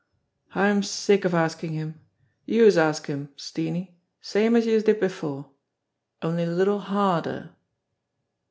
"I'm sick of askin' him. Youse ask him, Steenie, same as youse did before only a little harder."